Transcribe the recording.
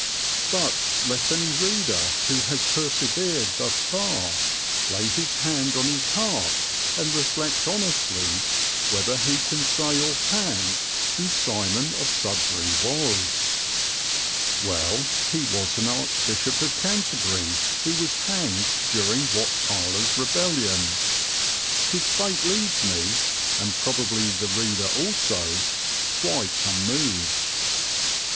But let any reader who has persevered thus far lay his hand on his heart and reflect honestly whether he can say offhand who Simon of Sudbury was. Well, he was an archbishop of Canterbury who was hanged during Wat Tyler's rebellion. His fate leaves me, and probably the reader also, quite unmoved.